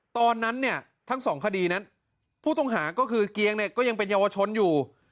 ตอนนั้นเนี่ยทั้งสองคดีนั้นผู้ต้องหาก็คือเกียงเนี่ยก็ยังเป็นเยาวชนอยู่